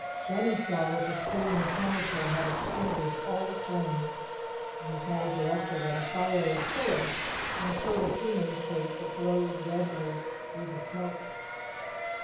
Then he saw that the stream of chemical had extinguished all the flames, and was now directed at a fiery pillar in a sort of human shape that glowed redly through the smoke.